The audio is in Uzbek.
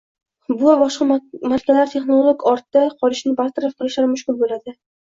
bu va boshqa markalar texnologik ortda qolishni bartaraf qilishlari mushkul bo‘ladi.